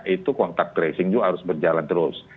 itu kontak tracing juga harus berjalan terus